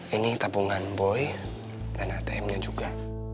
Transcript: ini tabungan boy dan atm nya juga